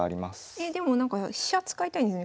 えでもなんか飛車使いたいんじゃない。